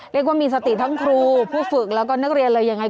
เรียกว่ามีสติทั้งครูผู้ฝึกแล้วก็นักเรียนเลยยังไง